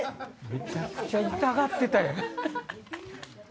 めちゃくちゃ痛がってたやん。